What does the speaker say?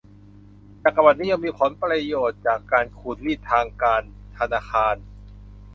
จักรวรรดินิยมมีผลประโยชน์จากการขูดรีดทางด้านการธนาคาร